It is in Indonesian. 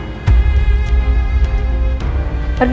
aku mau pergi